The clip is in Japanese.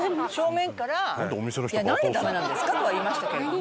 「なんでダメなんですか？」とは言いましたけれども。